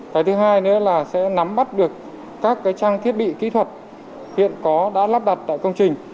cái thứ hai nữa là sẽ nắm bắt được các trang thiết bị kỹ thuật hiện có đã lắp đặt tại công trình